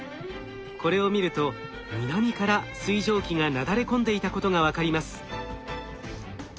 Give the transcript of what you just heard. これを見ると南から水蒸気がなだれ込んでいたことが分かります。